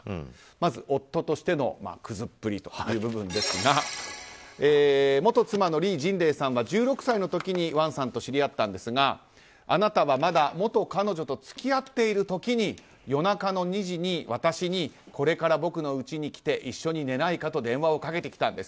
まず、夫としてのクズっぷりという部分ですが元妻のリー・ジンレイさんは１６歳の時にワンさんと知り合ったんですがあなたはまだ元彼女と付き合っている時に夜中の２時に私に、これから僕のうちに来て一緒に寝ないかと電話をかけてきたんです。